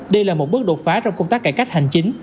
đây là một bước đột phá trong công tác cải cách hành chính